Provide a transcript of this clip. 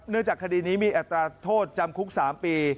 จากคดีนี้มีอัตราโทษจำคุก๓ปี